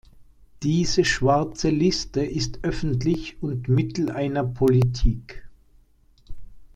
Diese Schwarze Liste ist öffentlich und Mittel einer -Politik.